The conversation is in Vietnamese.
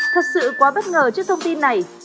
thật sự quá bất ngờ trước thông tin này